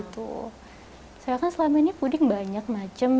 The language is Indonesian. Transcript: saya kan selama ini puding banyak macam